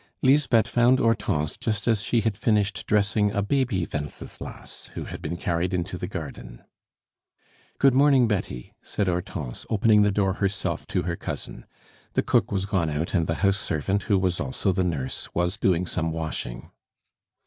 Lisbeth found Hortense just as she had finished dressing a baby Wenceslas, who had been carried into the garden. "Good morning, Betty," said Hortense, opening the door herself to her cousin. The cook was gone out, and the house servant, who was also the nurse, was doing some washing.